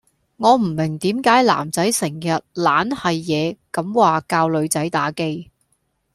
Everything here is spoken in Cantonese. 我唔明點解男仔成日懶係野咁話教女仔打機